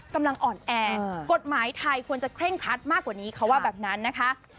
กำลังอ่อนแอกฎหมายไทยควรจะเคร่งครัดมากกว่านี้เขาว่าแบบนั้นนะคะ